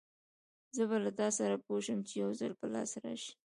زه به له تاسره پوه شم، چې يوځل په لاس راشې!